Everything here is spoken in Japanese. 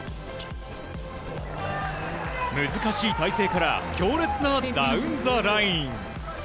難しい体勢から強烈なダウンザライン。